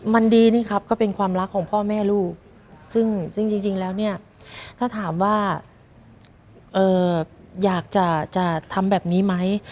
มันดีนี่ครับก็เป็นความรักของพ่อแม่ลูกซึ่งจริงแล้วเนี่ยถ้าถามว่าอยากจะทำแบบนี้ไหม